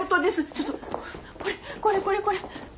ちょっとこれこれこれ。